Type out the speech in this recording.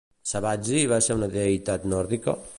Sabazi va ser una deïtat nòrdica?